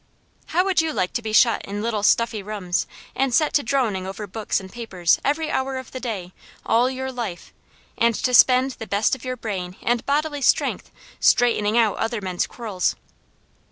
"How would you like to be shut in little, stuffy rooms, and set to droning over books and papers every hour of the day, all your life, and to spend the best of your brain and bodily strength straightening out other men's quarrels?"